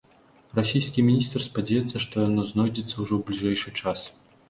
Расійскі міністр спадзяецца, што яно знойдзецца ўжо ў бліжэйшы час.